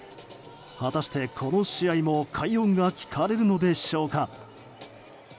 果たして、この試合も快音が聞かれるのでしょうか。